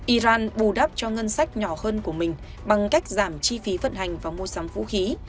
iran bù đắp cho ngân sách nhỏ hơn của mình bằng cách giảm chi phí vận hành và mua sắm vũ khí